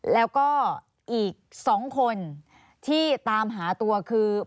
แล้วก็อีก๒คนที่ตามหาตัวคือ